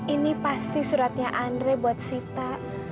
ini pasti suratnya andre buat sita